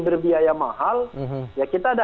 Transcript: berbiaya mahal ya kita ada